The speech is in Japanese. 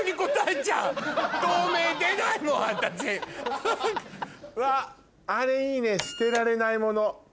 うわっあれいいね捨てられないもの。